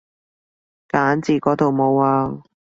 揀字嗰度冇啊